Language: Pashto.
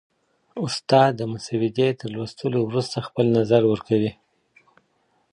استاد د مسودې تر لوستلو وروسته خپل نظر ورکوي.